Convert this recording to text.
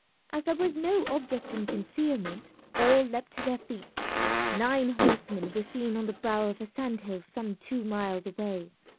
As there was no object in concealment all leapt to their feet. Nine horsemen were seen on the brow of a sand hill some two miles away.